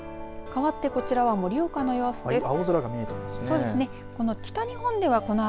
かわって、こちらは盛岡の様子です。